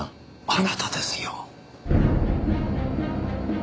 あなたですよ。